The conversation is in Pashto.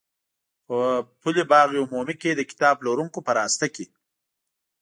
په پل باغ عمومي کې د کتاب پلورونکو په راسته کې.